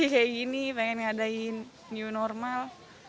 kayak gini pengen ngadain new normal